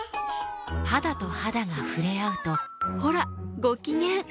肌と肌が触れ合うとほらごきげん！